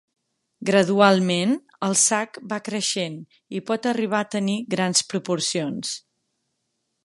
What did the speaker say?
Gradualment, el sac va creixent i pot arribar a tenir grans proporcions.